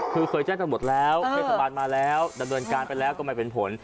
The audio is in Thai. คือเคยแจ้งกันหมดแล้วเทศบาลมาแล้วดำเนินการไปแล้วก็ไม่เป็นผล